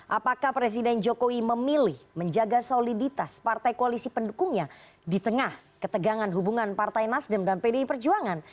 apakah presiden jokowi memilih menjaga soliditas partai koalisi pendukungnya di tengah ketegangan hubungan partai nasdem dan pdi perjuangan